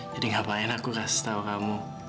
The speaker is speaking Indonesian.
ngapain aku kasih tahu kamu